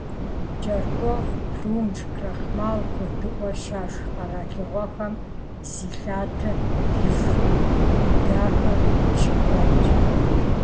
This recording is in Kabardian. КӀэртӀоф, прунж, крахмал куэдыӀуэ щашх къэралыгъуэхэм зи лъатэр лышхым иубыдахэр щыкуэдщ.